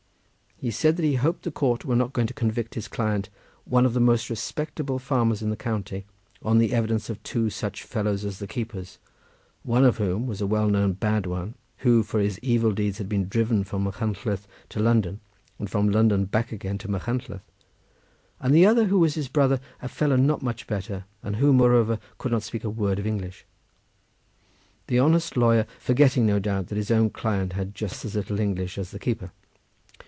He said that he hoped the court were not going to convict his client, one of the most respectable farmers in the county, on the evidence of two such fellows as the keepers, one of whom was a well known bad one, who for his evil deeds had been driven from Machynlleth to London, and from London back again to Machynlleth, and the other, who was his brother, a fellow not much better, and who, moreover, could not speak a word of English—the honest lawyer forgetting, no doubt, that his own client had just as little English as the keeper.